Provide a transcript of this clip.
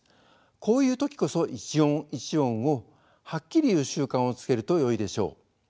こういう時こそ一音一音をはっきり言う習慣をつけるとよいでしょう。